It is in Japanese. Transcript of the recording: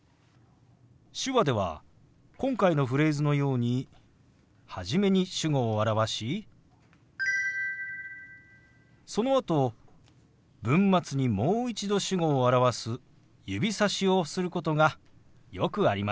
手話では今回のフレーズのように初めに主語を表しそのあと文末にもう一度主語を表す指さしをすることがよくあります。